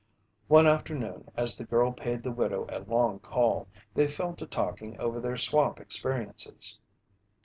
One afternoon as the girl paid the widow a long call, they fell to talking over their swamp experiences.